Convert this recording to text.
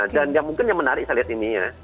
dan yang mungkin menarik saya lihat ini ya